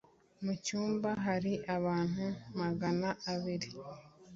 Mucyumba hari abantu magana abiri